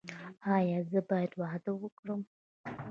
ایا زه باید واده وکړم؟